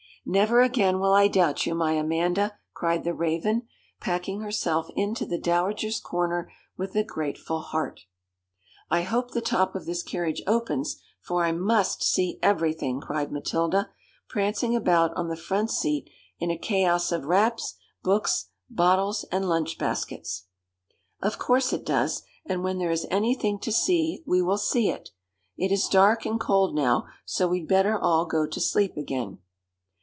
'Never again will I doubt you, my Amanda,' cried the Raven, packing herself into the dowager's corner with a grateful heart. 'I hope the top of this carriage opens, for I must see everything,' cried Matilda, prancing about on the front seat in a chaos of wraps, books, bottles, and lunch baskets. 'Of course it does, and when there is anything to see we will see it. It is dark and cold now, so we'd better all go to sleep again.'